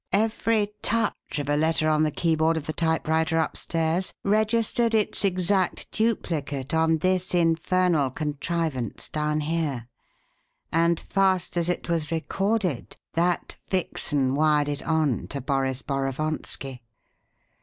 Every touch of a letter on the keyboard of the typewriter upstairs registered its exact duplicate on this infernal contrivance down here, and fast as it was recorded, that vixen wired it on to Boris Borovonski.